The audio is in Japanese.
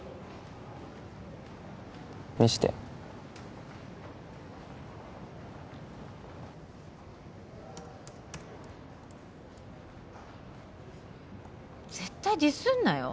見して絶対ディスんなよ